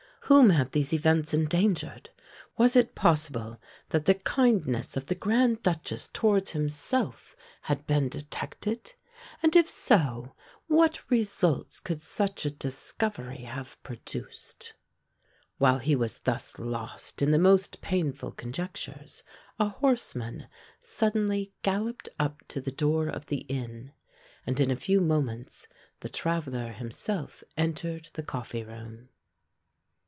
whom had these events endangered? Was it possible that the kindness of the Grand Duchess towards himself had been detected? And if so, what results could such a discovery have produced? While he was thus lost in the most painful conjectures, a horseman suddenly galloped up to the door of the inn; and in a few moments the traveller himself entered the coffee room.